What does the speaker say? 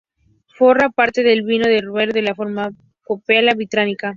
Forma parte del vino de Ruibarbo de la farmacopea británica.